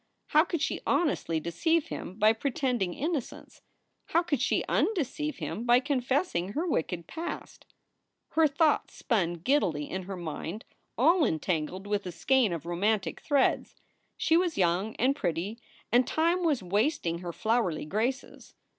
How could she honestly deceive him by pretending innocence? How could she undeceive him by confessing her wicked past ? Her thoughts spun giddily in her mind, all entangled with a skein of romantic threads. She was young and pretty and time was wasting her flowerly graces.